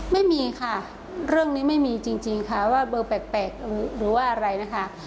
ไม่มีค่ะเรื่องนี้ไม่มีจริงค่ะว่าเบอร์แปลกหรือว่าอะไรนะคะ